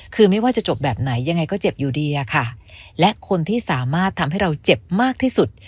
คือไม่ว่าจะจบแบบไหนยังไงก็เจ็บอยู่ดีอะค่ะและคนที่สามารถทำให้เราเจ็บมากที่สุด